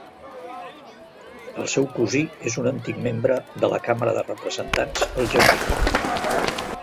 El seu cosí és un antic membre de la càmera de representants al Japó.